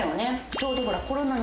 ちょうどほら。